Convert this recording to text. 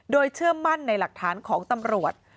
โดยเชื่อมั่นในหลักฐานของตำรวจ